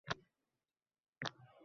Qayerga kirishga ruxsat beryapsiz